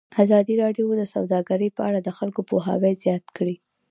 ازادي راډیو د سوداګري په اړه د خلکو پوهاوی زیات کړی.